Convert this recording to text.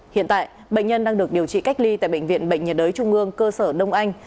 hiện tại bệnh nhân đang được điều trị cách ly tại bệnh viện bệnh nhiệt đới trung ương cơ sở đông anh